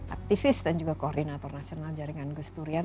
aktivis dan juga koordinator nasional jaringan gus durian